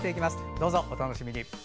どうぞお楽しみに。